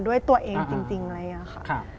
ด้วยตัวเองจริงอะไรอย่างนี้ค่ะ